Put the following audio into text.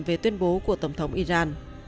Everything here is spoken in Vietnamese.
về tuyên bố của tổng thống iran